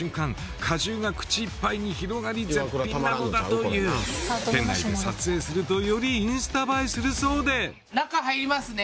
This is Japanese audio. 果汁が口いっぱいに広がり絶品なのだという店内で撮影するとよりインスタ映えするそうで中入りますね